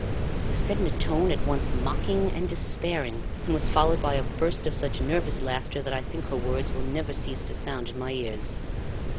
It was said in a tone at once mocking and despairing, and was followed by a burst of such nervous laughter that I think her words will never cease to sound in my ears.